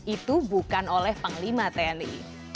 itu bukan oleh panglima tni